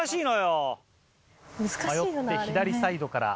迷って左サイドから。